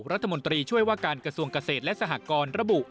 รัฐมนตรีช่วยว่าการกระทรวงเกษตรและสหกรระบุ